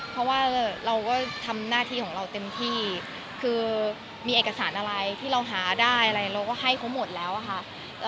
เพราะว่าเราก็ทำหน้าที่ของเราเต็มที่คือมีเอกสารอะไรที่เราหาได้อะไรเราก็ให้เขาหมดแล้วอะค่ะ